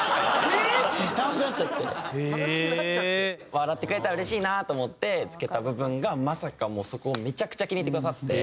笑ってくれたらうれしいなと思って付けた部分がまさかそこをめちゃくちゃ気に入ってくださって。